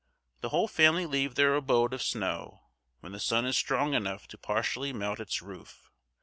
The whole family leave their abode of snow when the sun is strong enough to partially melt its roof.